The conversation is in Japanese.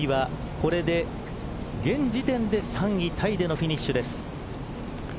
これで現時点で３位タイでのフィニッシュです。